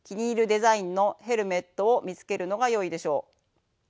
デザインのヘルメットを見つけるのがよいでしょう。